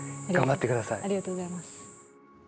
ありがとうございます。